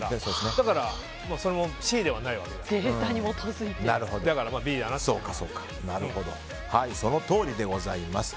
だから、Ｃではないわけでそのとおりでございます。